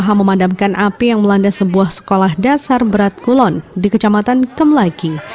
berusaha memadamkan api yang melanda sebuah sekolah dasar berat kulon di kecamatan kemlaiki